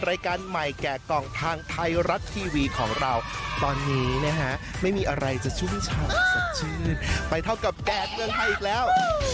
รายการใหม่แก่กล่องทางไทยรัฐทีวีของเราตอนนี้นะฮะไม่มีอะไรจะชุ่มฉ่ำสดชื่นไปเท่ากับแก่เมืองไทยอีกแล้ว